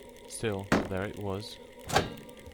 Still, there it was.